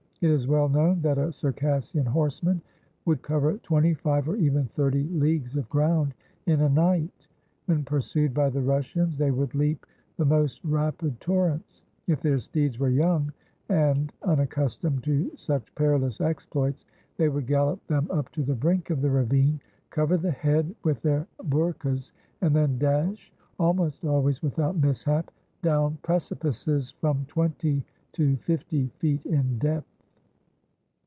It is well known that a Circassian horseman would cover twenty five or even thirty leagues of ground in a night. When pursued by the Russians, they would leap the most rapid torrents. If their steeds were young, and unaccustomed to such perilous exploits, they would gallop them up to the brink of the ravine, cover the head with their bourkas, and then dash, almost always without mishap, down precipices from twenty to fifty feet in depth.